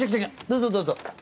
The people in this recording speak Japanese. どうぞどうぞ。